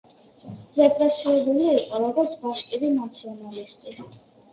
რეპრესირებული იყო, როგორც „ბაშკირი ნაციონალისტი“.